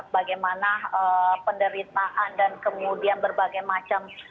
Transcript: bahkan kemudian berbagai macam